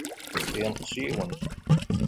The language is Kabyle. Yenqes yiwen.